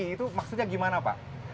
itu maksudnya gimana pak